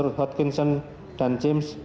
yang menurut hopkinson dan james